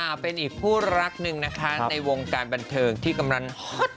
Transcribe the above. เป็นอีกคู่รักหนึ่งนะคะในวงการบันเทิงที่กำลังฮอต